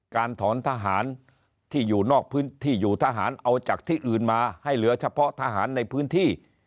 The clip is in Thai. การถอนทหารที่อยู่นอกพื้นที่อยู่ทหารเอาจากที่อื่นมาให้เหลือเฉพาะทหารในพื้นที่